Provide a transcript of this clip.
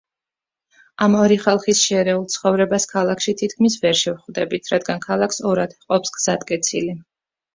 ამ ორი ხალხის შერეულ ცხოვრებას ქალაქში თითქმის ვერ შევხვდებით, რადგან ქალაქს ორად ჰყოფს გზატკეცილი.